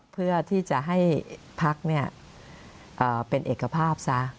เพื่อที่จะให้พักเป็นเอกภาพซะ